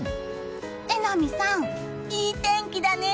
榎並さん、いい天気だね。